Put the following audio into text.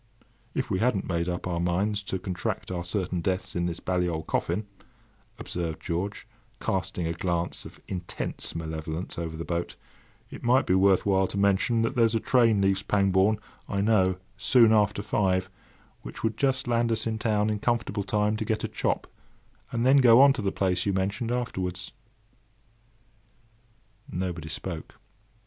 "If we hadn't made up our minds to contract our certain deaths in this bally old coffin," observed George, casting a glance of intense malevolence over the boat, "it might be worth while to mention that there's a train leaves Pangbourne, I know, soon after five, which would just land us in town in comfortable time to get a chop, and then go on to the place you mentioned afterwards." Nobody spoke.